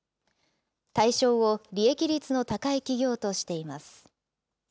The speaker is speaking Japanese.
対象を利益率の高い企業としています。